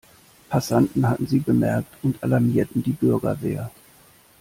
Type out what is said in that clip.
Passanten hatten sie bemerkt und alarmierten die Bürgerwehr.